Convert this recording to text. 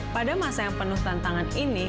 pada masa yang penuh tantangan ini